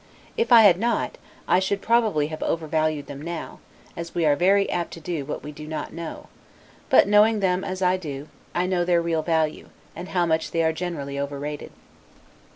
If I had not, I should probably have overvalued them now, as we are very apt to do what we do not know; but, knowing them as I do, I know their real value, and how much they are generally overrated.